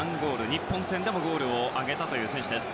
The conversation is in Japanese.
日本戦でもゴールを挙げた選手です。